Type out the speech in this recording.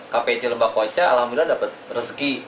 kpc lebak koica alhamdulillah dapat rezeki